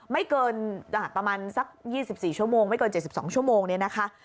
ไม่เกินประมาณสัก๒๔ชั่วโมงไม่เกิน๗๒ชั่วโมงเนี่ยนะคะ